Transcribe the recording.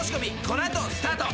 この後スタート！